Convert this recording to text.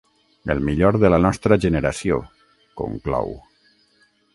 El millor de la nostra generació —conclou—.